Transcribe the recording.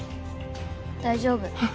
大丈夫。